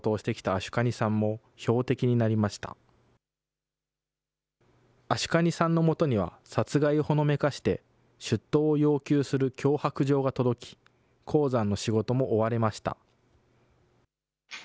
アシュカニさんのもとには、殺害をほのめかして出頭を要求する脅迫状が届き、鉱山の仕事も追われました。